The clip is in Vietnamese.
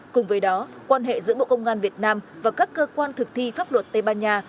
cùng với đó quan hệ giữa bộ công an việt nam và các cơ quan thực thi pháp luật tây ban nha